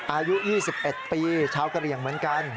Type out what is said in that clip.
อายุ๒๑ปีชาวกะเหลี่ยงเหมือนกัน